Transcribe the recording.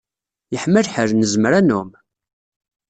Yeḥma lḥal, nezmer ad nɛum.